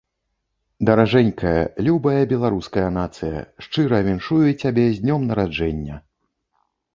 Даражэнькая, любая Беларуская Нацыя, шчыра віншую цябе з Днём Нараджэння!